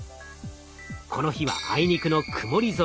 この日はあいにくの曇り空。